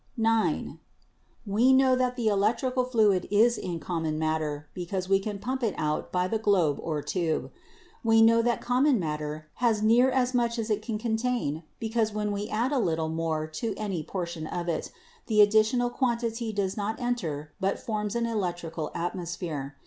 "(9) We know that the electrical fluid is in common matter because we can pump it out by the globe or tube. We know that common matter has near as much as it can contain because when we add a little more to any portion of it, the additional quantity does not enter but forms an electrical atmosphere.